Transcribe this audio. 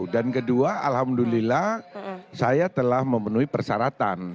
kedua alhamdulillah saya telah memenuhi persyaratan